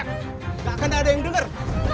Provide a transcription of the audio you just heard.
nggak akan ada yang dengar